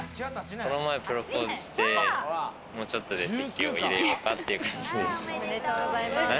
この前プロポーズしてもうちょっとで籍を入れようかっていう感じに。